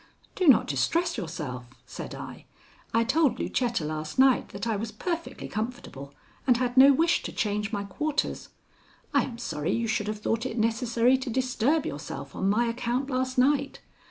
"Do not distress yourself," said I. "I told Lucetta last night that I was perfectly comfortable and had no wish to change my quarters. I am sorry you should have thought it necessary to disturb yourself on my account last night.